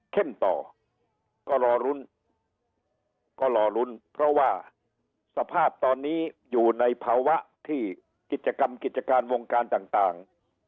ต่อก็รอลุ้นก็รอลุ้นเพราะว่าสภาพตอนนี้อยู่ในภาวะที่กิจกรรมกิจการวงการต่าง